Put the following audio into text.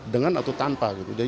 dengan atau tanpa gitu